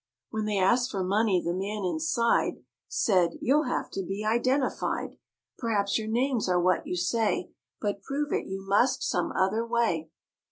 When they asked for money the man inside Said, "You'll have to be identified: Perhaps your names are what you say, But prove it you must some other way."